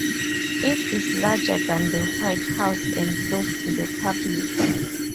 It is larger than the White House and closed to the public.